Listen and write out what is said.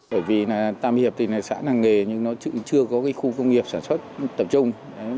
bởi vì tam hiệp thì là sản làng nghề nhưng nó chưa có khu công nghiệp sản xuất tập trung